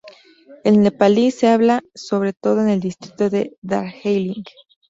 El nepalí se habla sobre todo en el distrito de Darjeeling.